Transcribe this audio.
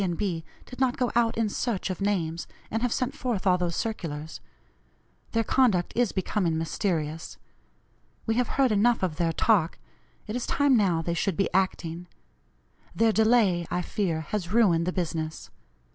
and B. did not go out in search of names, and have sent forth all those circulars. Their conduct is becoming mysterious. We have heard enough of their talk it is time now they should be acting. Their delay, I fear, has ruined the business.